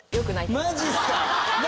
マジっすか！？